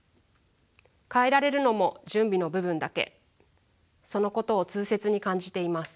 変えられるのも準備の部分だけそのことを痛切に感じています。